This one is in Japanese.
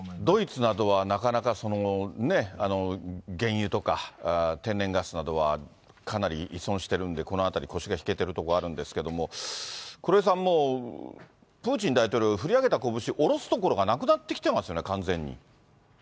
ドイツなどは、なかなかね、原油とか天然ガスなどはかなり依存してるんで、このあたり、腰が引けてるところあるんですけれども、黒井さん、もう、プーチン大統領、振り上げた拳、下ろすところがなくなってきてますよね、完全に。